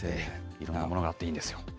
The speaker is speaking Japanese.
いろいろなものがあっていいんですよ。